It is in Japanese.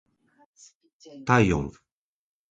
体温